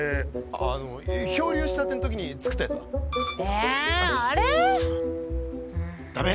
あの漂流したてん時に作ったやつは？えあれ？だめ？